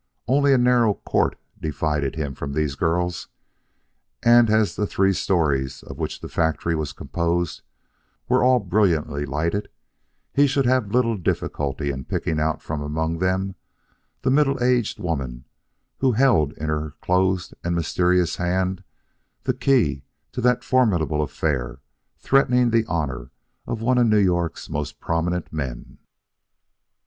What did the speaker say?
Only a narrow court divided him from these girls, and as the three stories of which the factory was composed were all brilliantly lighted, he should have little difficulty in picking out from among them the middle aged woman who held in her closed and mysterious hand the key to that formidable affair threatening the honor of one of New York's most prominent men.